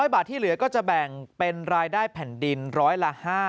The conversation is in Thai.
๐บาทที่เหลือก็จะแบ่งเป็นรายได้แผ่นดินร้อยละ๕